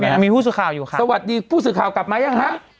ยังมีผู้สื่อข่าวอยู่ค่ะสวัสดีผู้สื่อข่าวกลับมายังฮะ